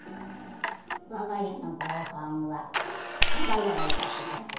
我が家の防犯は我が家がいたします。